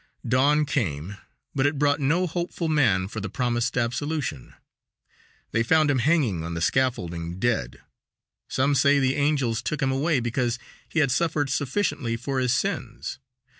Dawn came, but it brought no hopeful man for the promised absolution. They found him hanging on the scaffolding dead. Some say the angels took him away because he had suffered sufficiently for his sins.